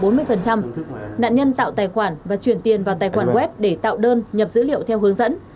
nạn nhân tạo tài khoản và chuyển tiền vào tài khoản web để tạo đơn nhập dữ liệu theo hướng dẫn